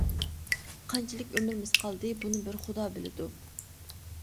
قانچىلىك ئۆمرىمىز قالدى بۇنى بىر خۇدا بىلىدۇ.